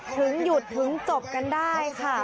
ถึงหยุดถึงจบกันได้ค่ะ